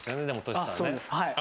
そうですはい。